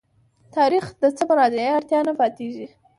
تاریخ ته د مراجعې اړتیا نه پاتېږي.